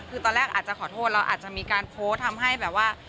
คือตอนแรกอาจจะขอโทษเราอาจจะมีการโพสต์ทำให้แบบว่า